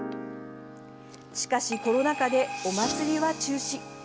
しかし、コロナ禍でお祭りは中止。